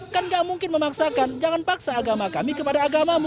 kan gak mungkin memaksakan jangan paksa agama kami kepada agamamu